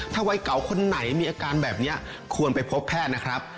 ถ้าวัยเก่าคนไหนมีอาการแบบนี้ควรไปพบแพทย์นะครับ